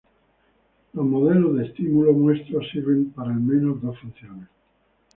Los modelos de Estímulo-muestro sirven para al menos dos funciones.